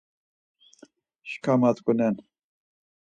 Şka matzǩunen